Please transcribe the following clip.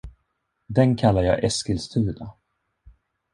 Den kallar jag Eskilstuna.